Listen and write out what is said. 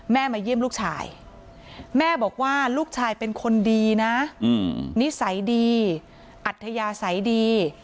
มาเยี่ยมลูกชายแม่บอกว่าลูกชายเป็นคนดีนะนิสัยดีอัธยาศัยดี